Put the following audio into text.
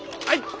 はい。